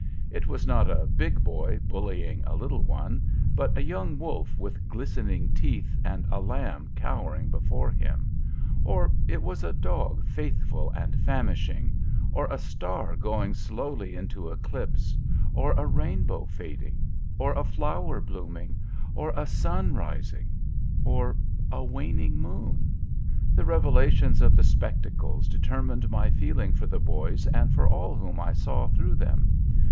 It was not a big boy bullying a little one, but a young wolf with glistening teeth and a lamb cowering before him; or, it was a dog faithful and famishing—or a star going slowly into eclipse—or a rainbow fading—or a flower blooming—or a sun rising—or a waning moon. The revelations of the spectacles determined my feeling for the boys, and for all whom I saw through them.